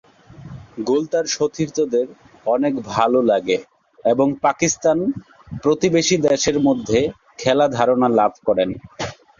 গুল তার সতীর্থদের অনেক ভালো লাগে এবং পাকিস্তান প্রতিবেশী দেশের মধ্যে খেলা ধারণা লাভ করেন।